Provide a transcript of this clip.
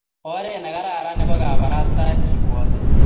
oret ne kararan ne bo kabarastaet kebwate